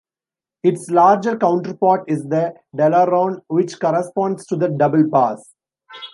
Its larger counterpart is the "dalaruan", which corresponds to the double bass.